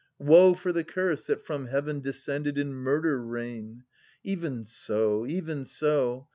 890 Woe for the Curse that from heaven descended in murder rain ! Even so, even so